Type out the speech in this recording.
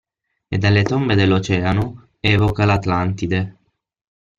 E dalle tombe dell'Oceano evoca l'Atlantide.